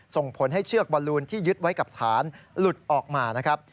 ส่งผลให้เชือกบอลลูนที่ยึดไว้กับฐานหลุดออกมานะครับ